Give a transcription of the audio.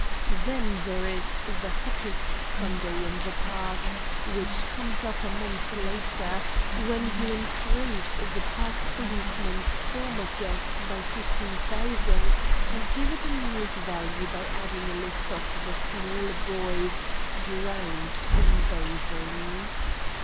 Then there is the "Hottest Sunday in the Park," which comes up a month later, when you increase the park policeman's former guess by fifteen thousand, and give it a news value by adding a list of the small boys drowned in bathing.